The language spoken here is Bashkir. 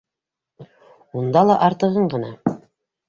Унда ла артығын ғына.